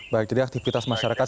baik jadi aktivitas masyarakat